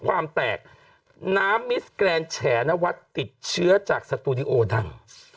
ความแตกน้ำมิสแกรนแฉนวัดติดเชื้อจากสตูดิโอดัง